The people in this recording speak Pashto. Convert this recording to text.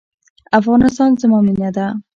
افغانستان زما مینه ده